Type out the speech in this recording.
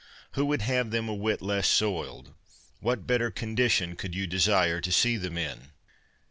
Who would have them a whit less soiled ? What better condition could you desire to see them in?